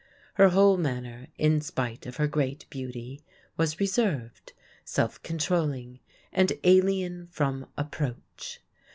Her whole manner, in spite of her great beauty, was reserved, self controlling, and "alien from approach."